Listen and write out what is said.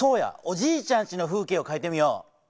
おじいちゃんちの風景をかいてみよう。